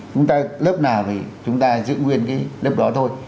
chúng ta lớp nào thì chúng ta giữ nguyên cái lớp đó thôi